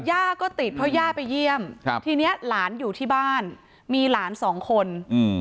ย่าก็ติดเพราะย่าไปเยี่ยมครับทีเนี้ยหลานอยู่ที่บ้านมีหลานสองคนอืม